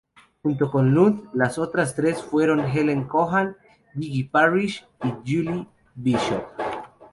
Junto con Lund, las otras tres fueron Helen Cohan, Gigi Parrish, y Julie Bishop.